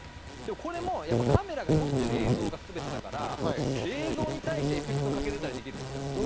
これもカメラが撮ってる映像が全てだから、映像に対してエフェクトをかけることができるんですよ。